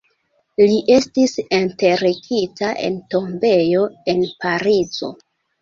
Li estis enterigita en tombejo en Parizo.